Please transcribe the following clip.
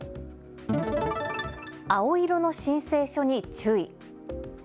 青色の申請書に注意。